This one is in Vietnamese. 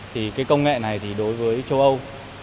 thì cái công nghệ này thì đối với châu âu